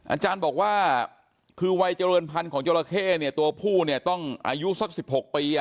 อาจารย์บอกว่าคือวัยเจริญพันธุ์ของจราเข้เนี่ยตัวผู้เนี่ยต้องอายุสัก๑๖ปี